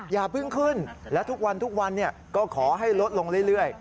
อย่าเพิ่งขึ้นและทุกวันทุกวันก็ขอให้ลดลงเรื่อย